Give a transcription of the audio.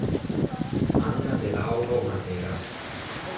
Anna De Lauro Matera